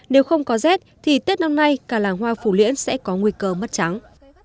nếu không có rét thì tết năm nay cả làng hoa phù liễn sẽ có nguy cơ mất trắng